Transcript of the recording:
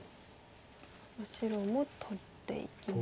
白も取っていきました。